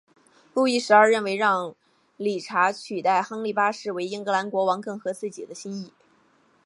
路易十二认为让理查取代亨利八世为英格兰国王更合自己的心意。